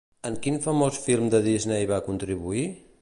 En quin famós film de Disney va contribuir?